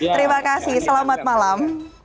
terima kasih selamat malam